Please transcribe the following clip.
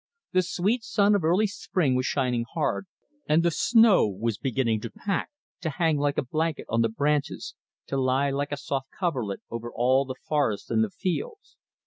The sweet sun of early spring was shining hard, and the snow was beginning to pack, to hang like a blanket on the branches, to lie like a soft coverlet over all the forest and the fields.